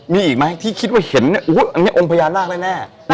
มีอีกไหมที่คิดว่าเห็นอันนี้อมพญานาคแน่